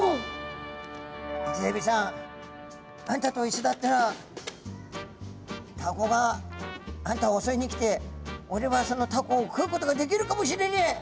「イセエビさんあんたといっしょだったらタコがあんたをおそいに来ておれはそのタコを食うことができるかもしれねえ。